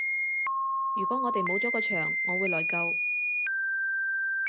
如果我哋冇咗個場我會內疚